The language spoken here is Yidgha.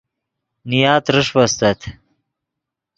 نیا ترݰپ استت